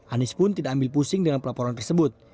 anies pun tidak ambil pusing dengan pelaporan tersebut